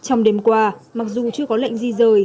trong đêm qua mặc dù chưa có lệnh di rời